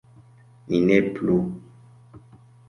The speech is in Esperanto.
“Ni ne plu!”